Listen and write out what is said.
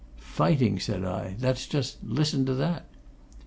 "Fighting!" said I. "That's just listen to that!"